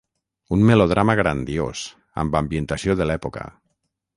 Un melodrama grandiós, amb ambientació de l'època.